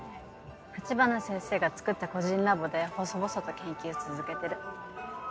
立花先生がつくった個人ラボでほそぼそと研究続けてる。